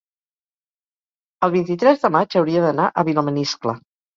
el vint-i-tres de maig hauria d'anar a Vilamaniscle.